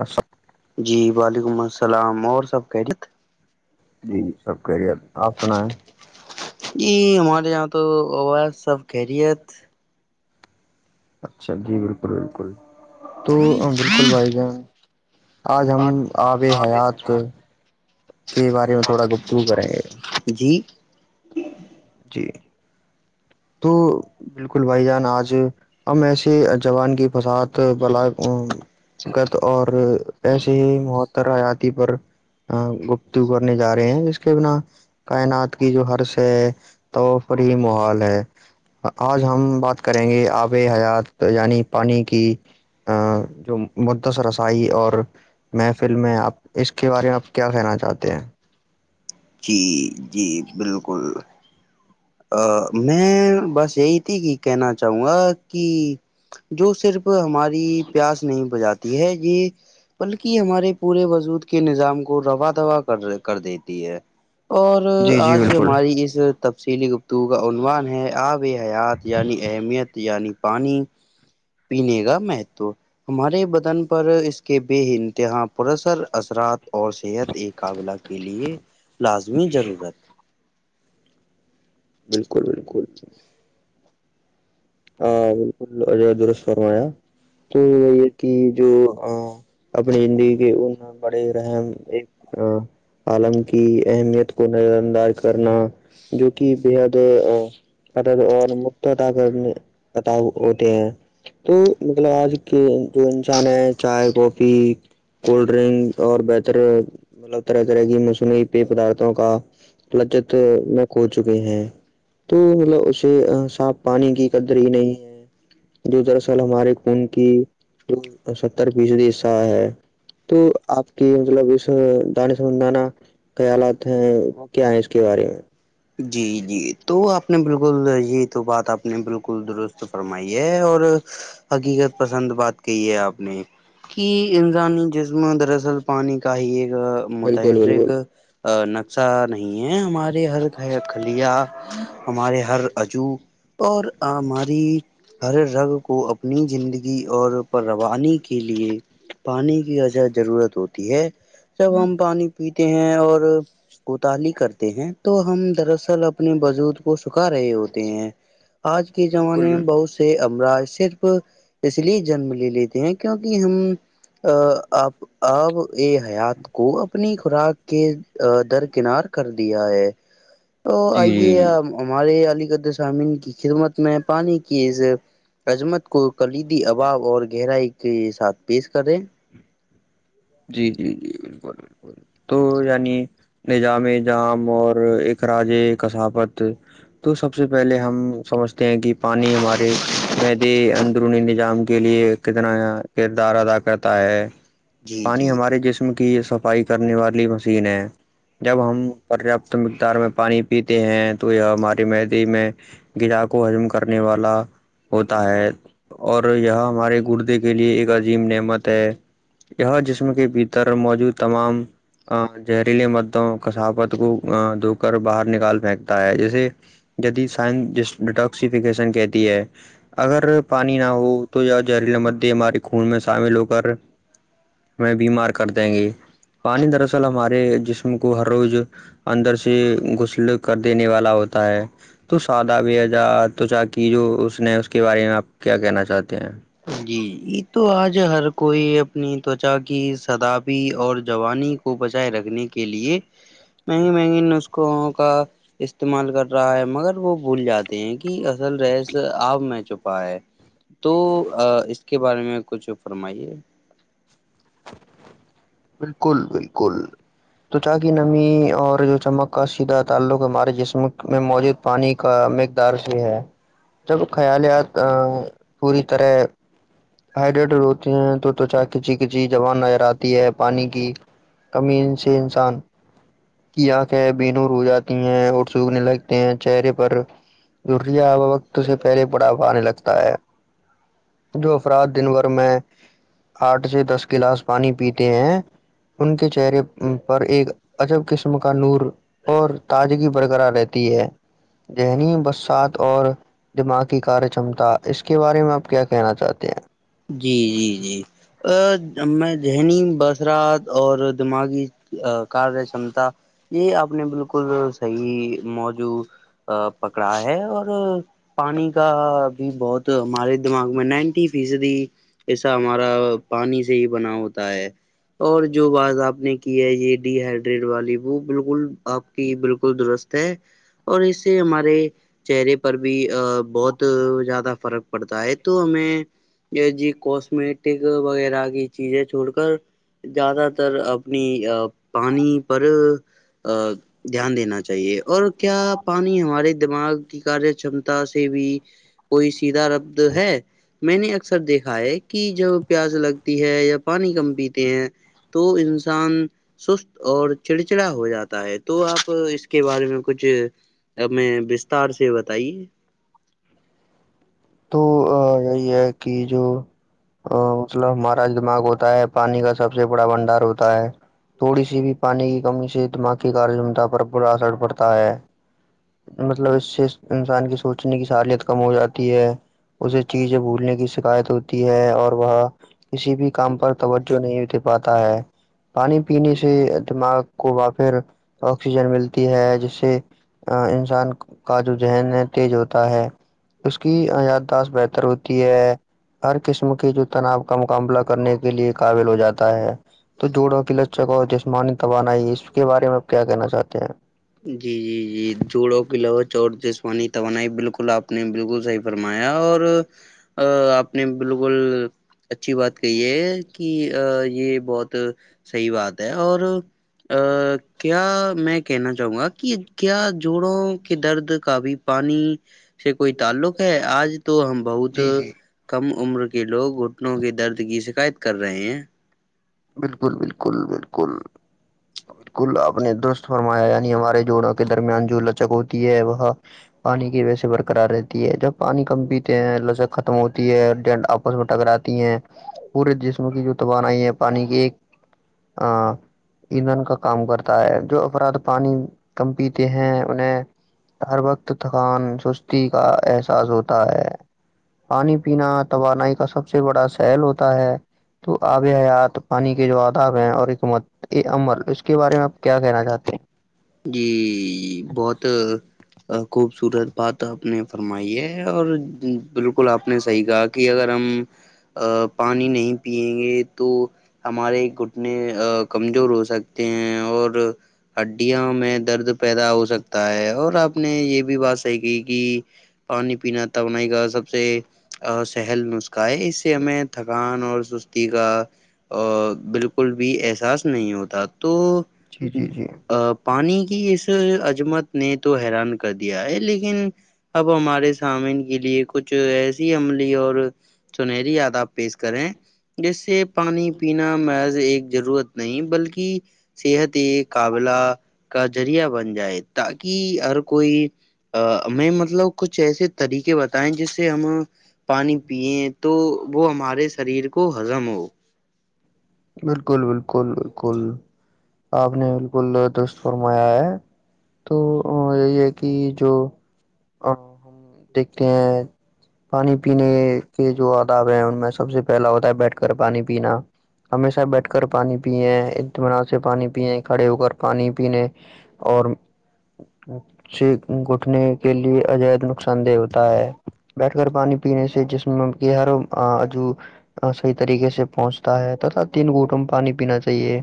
اس جی وعلیکم السلام اور سب کہیریت جی جی سب خیریت آپ سنائیں ہمارے یہاں تو سب خہریت اچھا جی بالکل بالکل تو بالکل بھائی جان آج ہم آبے حیات کے بارے میں تھوڑا گفتو کریں گے جی جی تو بالکل بھائی جان آج ہم ایسے جوان کی فساد اور اییسے ہی متر آیاتی پر گپتو کرنے جا رہے ہیں جس کے بنا کائنات کی جو ہرش ہے تو پر ہی ماحول ہے آج ہم بات کریں گے آب حیات یعنی پانی کی جو مدس رسائی اور محفل میں آپ اس کے بارے میں آپ کیا کہنا چاہتے ہیں جی جی بالکل میں بس یہی تھی کہ کہنا چاہوں گا کہ جو صرف ہماری پیاس نہیں بجاتی ہے یہ بلکہ ہمارے پورے وجود کے نظام کو روا دا کر کر دیتی ہے اور جی جی آج بالکل ہماری اس تفصیلی گفتگو کا عنوان ہے آپ حیات یعنی اہمیت یعنی پانی پینے کا مہتو ہمارے بدن پر اس کے بے انتہا پرثر اثرات اور صحت ایک قابلہ کے لیے لازمی ضرورت بالکل بالکل ہاں بالکل درست فرمایا تو یہ کہ جو اپنی زندگی کے ان بڑے رحم ایک عالم کی اہمیت کو نظر انداز کرنا جو کہ بےحد پ انمتتا کر پتا ہوتے ہیں تو مطلب آج کے انسان ہے چائے کافی کولڈ ڈرنک اور بہتر مطلب طرح طرح کی مصوی پی پدارتھوں کا لچت میں کھ چکے ہیں تو مطلب اسے صاف پانی کی قدری نہیں ہے جو دراصل ہمارے کن کی جو ستر فیصدی حصہ ہے تو آپ کی مطلب اس دانے سبند دانا خیالات ہیں وہ کیا ہیں اس کے بارے میں جی جی تو آپ نے بالکل یہ تو بات آپ نے بالکل درست فرمائی ہے اور حقیقت پسند بات کہ ہے آپ نے کہ انسانی جسم دراصل پانی کا ہی ایک بالکل بالکل متحرک نقشہ نہیں ہے ہمارے ہے کھلیا ہمارے ہر عجو اور ہماری ہر رگ کو اپنی زندگی اور پر روانی کے لیے پانی کی اجا ضرورت ہوتی ہے جب ہم پانی پیتے ہیں اور کوتالی کرتے ہیں تو ہم دراصل اپنے وجود کو سکھا رہے ہوتے ہیں آج کے زمانے بالکل بالکل میں بہت سے سے امراج صرف اس لیے جنم لے لیتے ہیں کیونک ہم ا آپ اب ا حیات کو اپنی خوراک کے درکنار کر دیا ہے ا جی آئیے جی ہمارے علی قدصامین کی خدمت میں پانی کی عظمت کو کلیدی اباب اور گہرائی کے ساتھ پیش کریں جی جی جی بالکل بالکل تو یعنی نظام جام اور ا راج کثافت تو سب سے پہلے ہم سمجھتے ہیں کہ پانی ہمارے مدی اندرونی نظام کے لیے کتنا کردار ادا کرتا ہے جی پانی جی ہمارے جسم کی صفائی کرنے والی مشین ہے جب ہم پریاپت مقدار میں پانی پیتے ہیں تو یہ ہماری مہندی میں غذا کو حجم کرنے والا ہوتا ہے اور یہ ہمارے گردے کے لیے ایک عظیم نعمت ہے یہ جسم کے بھیتر موجود تمام ا زہریلے مردوں کسافت کو دھو کر باہر نکال پھینکتا ہے جیسے دی سائن جس ڈیٹاکسیفیکیشن کہتی ہے اگر پانی نہ ہو تو یا زہریل مدی ہمارے خون میں شامل ہو کر میں بیمار کر دیں گے پانی دراصل ہمارے جسم کو ہر روز اندر سے غسل کر دینے والا ہوتا ہے تو سادہ بھیجا تو چااک جو اس نے اس کے بارے میں آپ کیا کہنا چاہتے ہیں جی یہ تو آج ہر کوئی اپنی تچا کی سدااب اور جوانی کو بچائے رکھنے کے لیے مہنگے مہنگے نسخوںوں کا استعمال کر رہا ہے مگر وہ بھول جاتے ہیں کہ اصل رس آب میں چھپا ہے تو اس کے بارے میں کچھ فرمائیے بالکل بالکل توچا کی نمی اور جو چمک کا سیدھا تعلق ہمارے جسم میں موجود پانی کا مقدار بھی ہے جب خیالات پوری طرح ہائڈریٹڈ ہوتے ہیں توچا کچی کچی جوان نظر آتی ہے پانی کی کمی سے انسان کی آنکھیں ہے بینوں رو جاتی ہیں اور سوکھنے لگتے ہیں چہرے پر ررییا وقت اس سے پہلے پڑا ہوا آنے لگتا ہے جو افراد دن بھر میں آٹھ سے دس گلاس پانی پیتا ہیں ان کے چہرے پر ایک اجب قسم کا نور اور تجگی برقرار رہتی ہے ذہنی برسات اور دماغ کی کاریہ چمتا اس کے بارے میں آپ کیا کہنا چاہتے ہیں جی جی جی ا میں ذہنی بثرات اور دماغی کاریہ چمتا یہ آپ نے بالکل صحی موجو پکڑا ہے اور پانی کا بھی بہت [unintelligible] تو ہمارے دماغ میں نائنٹی فیصدی ایسا ہمارا پانی سے ہی بنا ہوتا ہے اور جو بات آپ نے کی ہے یہ ڈی ہائیڈریٹ والی وہ بالکل آپ کہ بالکل درست ہے اور اس سے ہمارے چہرے پر بھی ا بہت زیادہ فرق پڑتا ہے تو ہمیں [unintelligible] جی کوسمیٹک وغیرہ کی چیزیں چھوڑ کر زیادہ تر اپنی ا پانی پر ا دھیان دینا چاہیے اور کیا پانی ہمارے دماغ کی کاریہ چمتا سے بھی کوئی سیھا ربد ہے میں نے اکثر دیکھا ہے کہ جب پیاز لگتی ہے یا پانی کم پیتے ہیں تو انسان سست اور چڑچڑا ہو جاتا ہے تو آپ اس کے بارے میں کچھ میں بستار سے بتائیے تو یہی ہے کہ جو [unintelligible] ا مطلب ہمارا دماغ ہوتا ہے پانی کا سب سے بڑا بنڈار ہوتا ہے تھوڑی سی بھی پانی کی کمی سے دماغی کار چمتا پر برا اثر پڑتا ہے مطلب اس سے انسان کی سوچنے کی ساالت کم ہو جاتی ہے اسے چیزیں بھولنے کی شکایت ہوتی ہے اور وہ کسی بھی کام پر توہ جو نہیں ات پاتا ہے پانی پینے سے دماغ کو ب پھر آکسیجن ملتی ہے جس سے انسان کا جو ذہن ہے تیز ہوتا ہے اس کی یاد بہتر ہوتی ہے ہر قسم کی جو تناپ کا مقابلہ کرنے کے لیے قابل ہو جاتا ہے تو جوڑوں کی لچک اور جسمانی توبانائی اس کے بارے میں آپ کیا کہنا چاہتے ہیں [unintelligible] جی جی جی جوڑوں کی لوچ اور جسمانی توانائی بالکل آپ نے بالکل صحیح [unintelligible] فرمایا اور ا آپ نے بالکل اچھی بات کہی ہے کہ یہ بہت صحی بات ہے اور [unintelligible] ا کیا میں کہنا چاہوں گا کہ کیا جوڑوں کے درد کا بھی پانی سے کوئی تعلق ہے آج تو ہم بہت جی جی کم عمر کے لوگ گھٹنوں کے درد کی شکایت کر رہے ہیں بالکل بالکل بالکل بالکل آپ نے درست فرمایا یعنی ہمارے جوڑوں کے درمیان جو لچک ہوتی ہے وہ پانی کی وجہ سے برقرار رہتی ہے جب پانی کم پیتے ہیں لذک ختم ہوتی ہے اور ڈنڈ [unintelligible] آپس میں ٹکراتی ہیں پورے جسم کی جو توان آئی ہے پانی کی ایک ہاں [unintelligible] ایندھن کا کام کرتا ہے جو افراد پانی کم پیتے ہیں انہیں ہر وقت تھکان سستی کا احساس ہوتا ہے پانی پینا توانائی کا سب سے بڑا سحل ہوتا ہے تو آب حیات پانی کے جو آداب ہیں اور حکومت یہ عمل اس کے بارے میں آپ کیا کہنا چاہتے ہیں جی بہت خوبصورت بات آپ نے فرمائی ہے اور بالکل آپ نے صحیح کہا کہ کہ اگر ہم پانی نہیں پیئیں گے تو ہمارے گھٹنے کمزور ہو سکتے ہیں اور ہڈییاوں میں درد پیدا ہو سکتا ہے اور آپ نے یہ بھی بات صحیح کی کہ پانی پینا توانائی کا سب سے سہل نسخہ ہے اس سے ہمیں تھکان اور سستی کا بالکل بھی احساس نہیں ہوتا تو جی جی جی پانی کی اس عجمت نے تو ہے حیران کر دیا ہے لیکن اب ہمارے سامین کے لیے کچھ ایسی عملی اور سنہری یاداب پیش کریں جس سے پانی پینا محض ایک ضرورت نہیں بلکہ صحت قابلہ کا ذریعہ بن جائے تاکہ ہر کوئی میں مطلب کچھ ایسے طریقے بتائیں جس سے ہم پانی پیے تو وہ ہمارے شریر ہزمو بالکل بالکل بالکل آپ نے بالکل دست فرمایا ہے تو یہی ہے کہ جو ہم دیکھتے ہیں پانی پینے کے جو آداب ہے ان میں سب سے پہلا ہوتا ہے بیٹھ کر پانی پینا ہمیشہ بیٹھ کر پانی پیے اتمینات سے پانی پیئے کھڑے ہو کر پانی پینے اور سے گھٹنے کے لیے عجاید نقصان دہ ہوتا ہے بیٹھ کر پانی پینے سے جسم کے ہر عجو صحیح طریقے سے پہنچتا ہے تتا تین گھٹوں میں پانی پینا چاہیے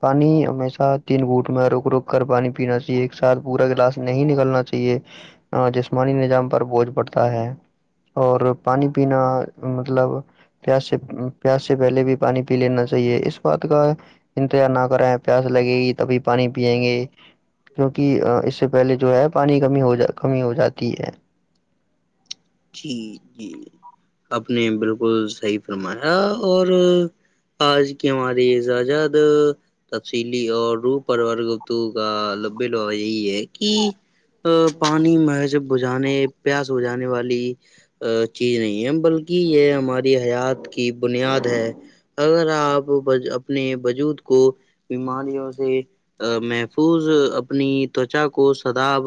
پانی ہمیشہ تین گوٹ میں روک روک کر پانی پینا چاہیے ایک ساتھ پورا گلاس نہیں نکلنا چاہیے جسمانی نظام پر بوجھ پڑتا ہے اور پانی پین مطلب پس سے پیاس سے پہلے بھی پانی پی لینا چاہیے اس بات کا انتظار نہ کرے پیاس لگے گی تبھی پانی پیئیں گے کیونکہ اس سے پہلے جو ہے پانی کمی ہو کمی ہو جاتی ہے جی جی آپ نے بالکل صحیح فرمایا اور آج کی ہماراریزجاد تفصیلی اور رو پرورت کا لبے لا یہی ہے کہ پانی محضب بجھانے پیاس بجھانے والی چیز نہیں ہے بلکہ یہ ہماری حیات کی بنیاد ہے اگر آپ اپنے وجود کو بیماریوں سے محفوظ اپنی تچا کو سداب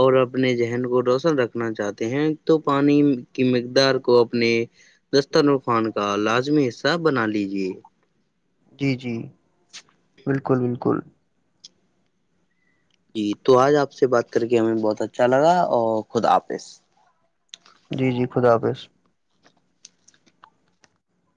اور اپنے ذہن کو روشن رکھنا چاہتے ہیں تو پانی کی مقدار کو اپنے دستانفان کا لازمی حصہ سب بنا لیجیے جی جی بالکل بالکل جی تو آج آپ سے بات کر کے ہمیں بہت اچھا لگا اور خود حافظ جی جی خدا حافظ